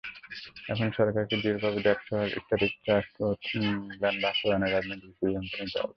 এখনই সরকারকে দৃঢ়ভাবে ড্যাপসহ স্ট্র্যাটেজিক ট্রান্সপোর্ট প্ল্যান বাস্তবায়নের রাজনৈতিক সিদ্ধান্ত নিতে হবে।